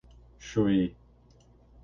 Chuí